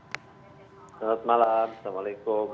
selamat malam assalamualaikum